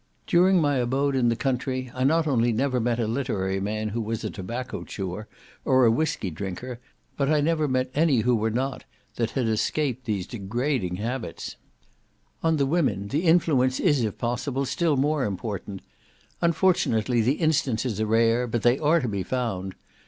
During my abode in the country I not only never met a literary man who was a tobacco chewer or a whiskey drinker, but I never met any who were not, that had escaped these degrading habits. On the women, the influence is, if possible, still more important; unfortunately, the instances are rare, but they are to be found.